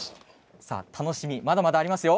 楽しみまだまだありますよ。